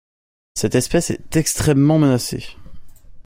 Cette espèce est extrêmement menacée.